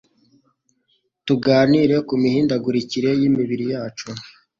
tuganire ku mihindagurikire y'imibiri yacu